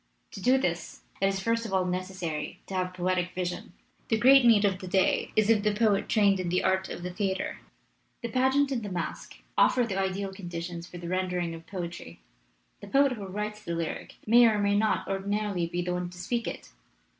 To do this it is first of all necessary to have the poetic vision. The great need of the day is of the poet trained in the art of the theater. "The pageant and the masque offer the ideal conditions for the rendering of poetry. The poet who writes the lyric may or may not ordinarily be the one to speak it.